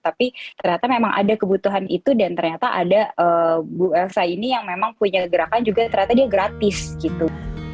tapi ternyata memang ada kebutuhan itu dan ternyata ada bu elsa ini yang memang punya gerakan juga ternyata dia gratis gitu